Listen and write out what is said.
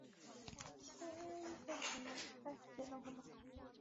台湾雀稗为禾本科雀稗属下的一个种。